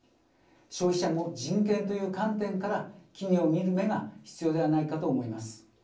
消費者も人権という観点から企業を見る目が必要ではないかと思います。